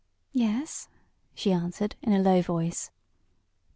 "Yes," she answered, in a low voice.